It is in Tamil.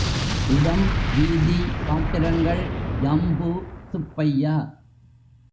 இடம் வீதி பாத்திரங்கள் ஜம்பு, சுப்பையா.